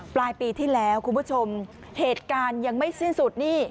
ปลายปีที่แล้วคุณผู้ชมเหตุการณ์ยังไม่สิ้นสุดนี่